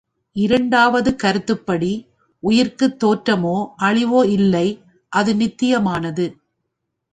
இரண்டாவது கருத்துப்படி உயிருக்குத் தோற்றமோ, அழிவோ இல்லை அது நித்தியமானது.